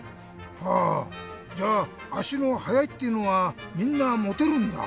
はぁじゃああしのはやいっていうのはみんなモテるんだ？